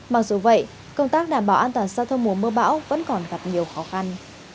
mặc dù vậy công tác đảm bảo an toàn giao thông mùa mưa bão vẫn còn gặp nhiều khó khăn